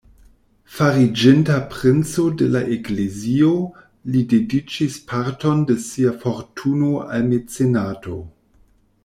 Fariĝinta princo de la Eklezio, li dediĉis parton de sia fortuno al mecenato.